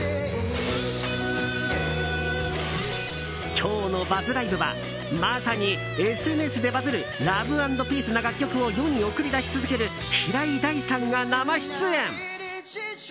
今日のＢＵＺＺＬＩＶＥ！はまさに、ＳＮＳでバズるラブ＆ピースな楽曲を世に送り出し続ける平井大さんが生出演。